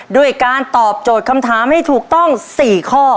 ด้วยการตอบโจทย์คำถามให้ถูกต้อง๔ข้อ